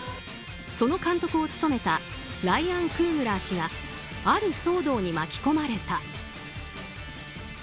その監督を務めたライアン・クーグラー氏がある騒動に巻き込まれた。